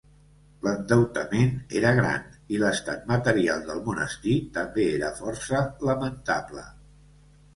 L'endeutament era gran i l'estat material del monestir també era força lamentable.